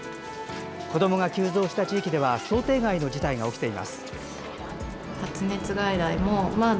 子どもが急増した地域では想定外の事態が起きています。